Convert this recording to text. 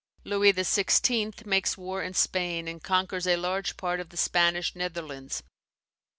Louis XVI. makes war in Spain, and conquers a large part of the Spanish Netherlands.